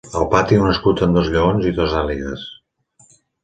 Al pati, un escut am dos lleons i dos àguiles